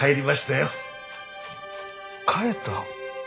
帰った？